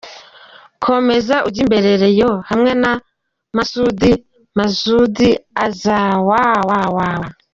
komeza ujyimbere rayon ,hamwe na masudi, masudi as w w w.